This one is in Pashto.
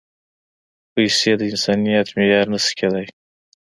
پېسې د انسانیت معیار نه شي کېدای.